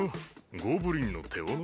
ゴブリンの手斧？